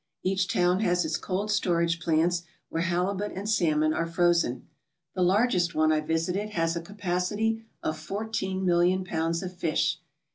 Each town has its cold storage plants where halibut and salmon are frozen. The largest one I visited has a capacity of fourteen million pounds of fish.